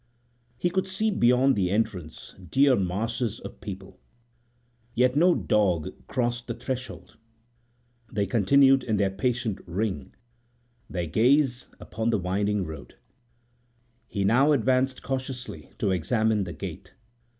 He could see beyond the entrance dear masses of people, yet no dog crossed the threshold. They continued in their patient ring, their gaze upon the winding road. < 3 > He now advanced cautiously to examine the gate.